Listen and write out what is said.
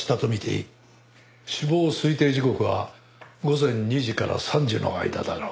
死亡推定時刻は午前２時から３時の間だろう。